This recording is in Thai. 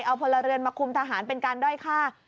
เอาพลเรือนมาคุมทหารเป็นการด้อยฆ่า